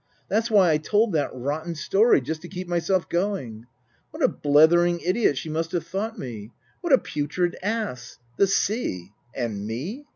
That's why I told that rotten story, just to keep myself going. What a blethering idiot she must have thought me ! What a putrid ass ! The sea And me